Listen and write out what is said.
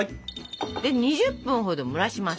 で２０分ほど蒸らします。